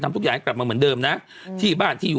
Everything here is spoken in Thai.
ตราบใดที่ตนยังเป็นนายกอยู่